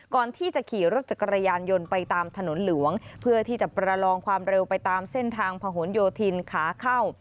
ก่อนที่จะขี่รถจักรยานยนต์ไปตามถนนหลวงเพื่อที่จะประลองความเร็วไปตามเส้นทางผนโยธินขาเข้า